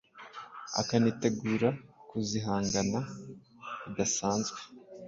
ukanitegura kuzihangana bidasanzwe.